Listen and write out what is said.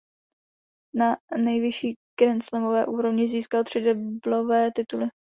Na nejvyšší grandslamové úrovni získal tři deblové tituly.